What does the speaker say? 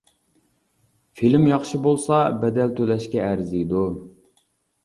فىلىم ياخشى بولسا بەدەل تۆلەشكە ئەرزىيدۇ.